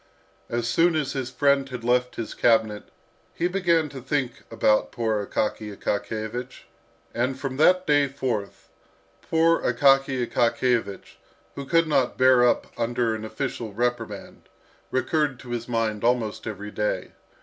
As soon as his friend had left his cabinet, he began to think about poor Akaky Akakiyevich. And from that day forth, poor Akaky Akakiyevich, who could not bear up under an official reprimand, recurred to his mind almost every day.